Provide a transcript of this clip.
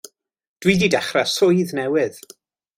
Dw i 'di dechra' swydd newydd.